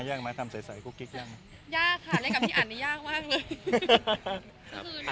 ยากค่ะด้วยกับพี่อันนี้ยากมากเลย